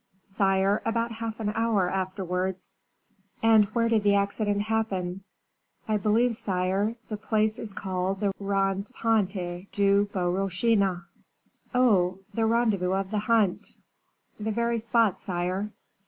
"Sire, about half an hour afterwards." "And where did the accident happen?" "I believe, sire, the place is called the Rond point du Bois Rochin." "Oh! the rendezvous of the hunt." "The very spot, sire."